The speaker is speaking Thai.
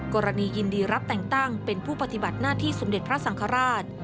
กรณียินดีรับแต่งตั้งเป็นผู้ปฏิบัติหน้าที่สมเด็จพระสังฆราช